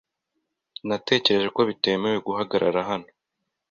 Natekereje ko bitemewe guhagarara hano .